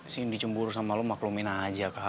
cindy cemburu sama lo maklumin aja kal